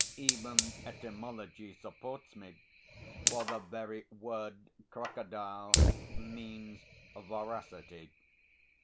Even etymology supports me, for the very word crocodile means voracity.